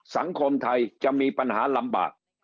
สังคมไทยจะมีปัญหาลำบาก